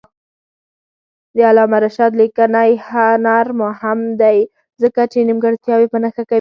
د علامه رشاد لیکنی هنر مهم دی ځکه چې نیمګړتیاوې په نښه کوي.